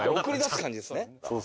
送り出す感じですね